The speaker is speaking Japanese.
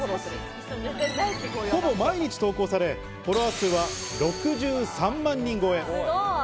ほぼ毎日投稿され、フォロワー数は６３万人超え。